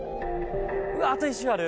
「うわっあと１周ある」